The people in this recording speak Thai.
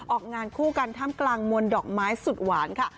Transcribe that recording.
ออกงานคู่กันท่ามกลางมวลดอกไม้สุดหวานค่ะ